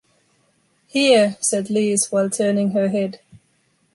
“Here!”, said Lise while turning her head.